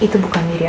itu bukan diri aku